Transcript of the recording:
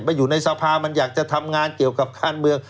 อยู่ในสภามันอยากจะทำงานเกี่ยวกับการเมือง